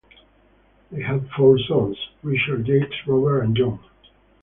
They had four sons; Richard, Jacques, Robert and John.